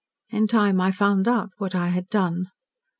In time I found out what I had done.